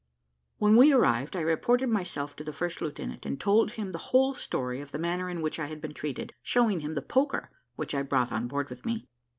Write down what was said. When we arrived, I reported myself to the first lieutenant, and told him the whole story of the manner in which I had been treated, showing him the poker which I brought on board with me.